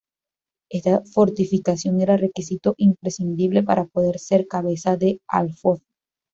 Esa fortificación era requisito imprescindible para poder ser cabeza de alfoz.